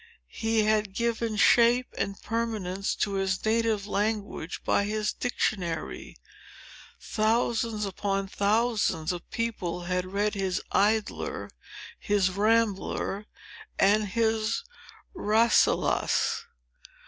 He had given shape and permanence to his native language, by his Dictionary. Thousands upon thousands of people had read his Idler, his Rambler, and his Rasselas.